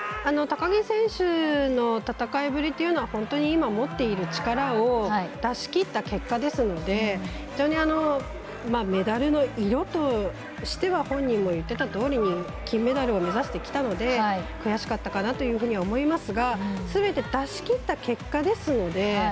高木選手の戦いぶりというのは本当に持っている力を出しきった結果ですので非常にメダルの色としては本人も言ってたとおりに金メダル目指してきたので悔しかったかなと思いますがすべて出しきった結果ですので。